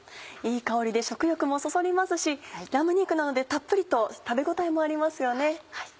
いい香りで食欲もそそりますしラム肉なのでたっぷりと食べ応えもありますよね。